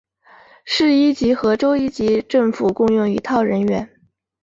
市一级和州一级政府共用一套人员。